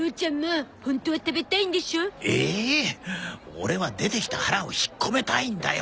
オレは出てきた腹を引っ込めたいんだよ。